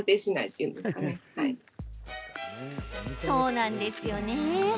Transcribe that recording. そうなんですよね。